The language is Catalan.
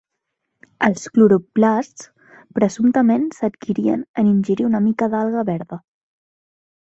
Els cloroplasts presumptament s'adquirien en ingerir una mica d'alga verda.